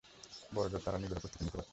বড় জোড় তারা নিজেরা প্রস্তুতি নিতে পারত।